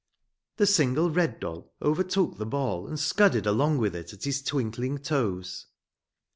The single red doll overtook the ball and scudded along with it at his twinkling toes.